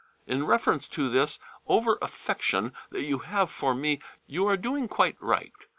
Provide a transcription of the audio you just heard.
In reference to this over affection that you have for me, you are doing quite right.